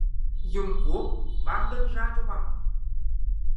Dùng cuốc ban đất ra cho bằng